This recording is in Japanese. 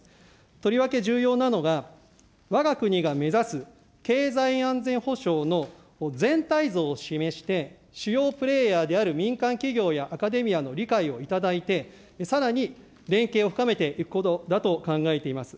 とりわけ重要なのが、わが国が目指す経済安全保障の全体像を示して、主要プレーヤーである民間企業やアカデミアの理解をいただいて、さらに連携を深めていくことだと考えています。